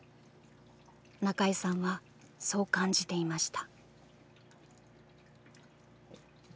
中井さんはそう感じていました。